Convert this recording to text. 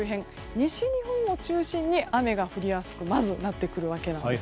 西日本を中心に雨が降りやすくまず、なってくるわけなんです。